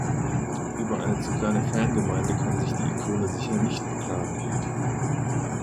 Über eine zu kleine Fangemeinde kann sich die Ikone sicher nicht beklagen.